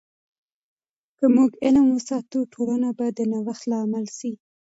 که موږ علم وساتو، ټولنه به د نوښت لامل سي.